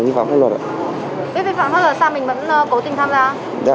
vi phạm pháp luật sao mình vẫn cố tình tham gia